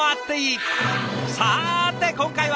さて今回は？